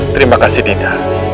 terima kasih dinda